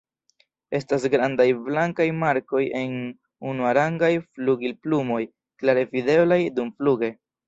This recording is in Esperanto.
Estas grandaj blankaj markoj en unuarangaj flugilplumoj, klare videblaj dumfluge.